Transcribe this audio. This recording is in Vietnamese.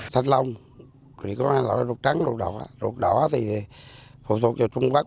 thanh long chỉ có rụt trắng rụt đỏ rụt đỏ thì phụ thuộc vào trung bắc